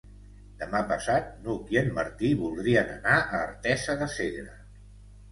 Demà passat n'Hug i en Martí voldrien anar a Artesa de Segre.